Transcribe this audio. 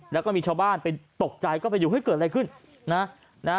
แล้วก็มีชาวบ้านไปตกใจก็ไปดูเฮ้ยเกิดอะไรขึ้นนะฮะ